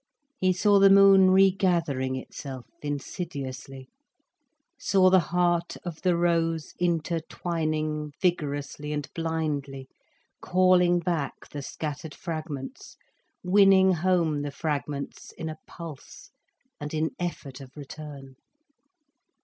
He saw the moon regathering itself insidiously, saw the heart of the rose intertwining vigorously and blindly, calling back the scattered fragments, winning home the fragments, in a pulse and in effort of return.